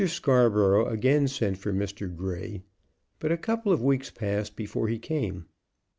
Scarborough again sent for Mr. Grey, but a couple of weeks passed before he came.